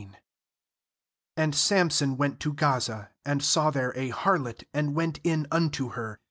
314 JUDGES 1618 "J Q And Samson went to Gaza, and saw there a harlot, and went in unto her.